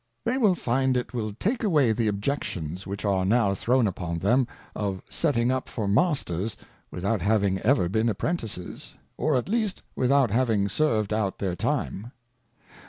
They will find it will take away the Objections which are now thrown upon them, of setting up for Masters without having ever been Apprentices ; or at least, without having served out their Time.